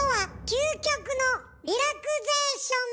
究極のリラクゼーション？